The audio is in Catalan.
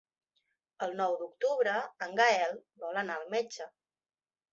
El nou d'octubre en Gaël vol anar al metge.